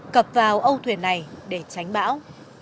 cập vào âu thuyền này để tránh bão